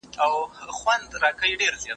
زه موبایل کارولی دی؟!